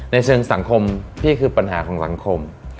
เชิงสังคมพี่คือปัญหาของสังคม